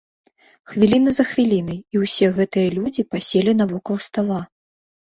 Хвіліна за хвілінай, і ўсе гэтыя людзі паселі навокал стала.